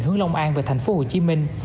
hướng long an về thành phố hồ chí minh